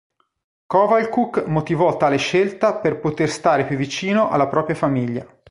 Koval'čuk motivò tale scelta per poter stare più vicino alla propria famiglia.